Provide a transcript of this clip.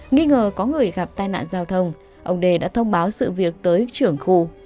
nghi ngờ có người gặp tai nạn giao thông ông đê đã thông báo sự việc tới trưởng khu